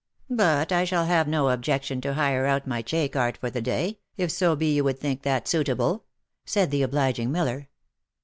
But I shall have no objection to hire out my chay cart for the day, if so be you would think that suitable," said the obliging miller.